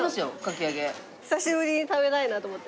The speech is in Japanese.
久しぶりに食べたいなと思って。